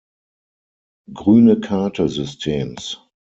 Grüne-Karte Systems.